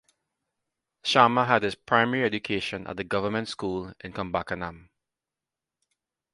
Sharma had his primary education at the Government School in Kumbakonam.